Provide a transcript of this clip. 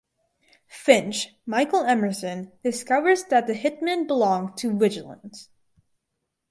Finch (Michael Emerson) discovers that the hitman belonged to Vigilance.